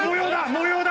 模様だ！